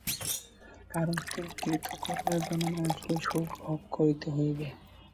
কারণ কৃতকর্মের জন্য মানুষকে দুঃখ ভোগ করিতে হইবেই।